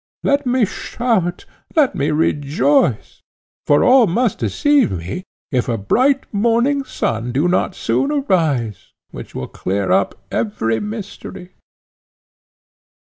Let me shout, let me rejoice, for all must deceive me, if a bright morning sun do not soon arise, which will clear up every mystery."